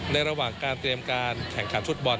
ระหว่างการเตรียมการแข่งขันฟุตบอล